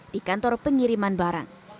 di kantor pengiriman barang